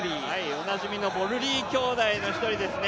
おなじみのボルリー兄弟の１人ですね。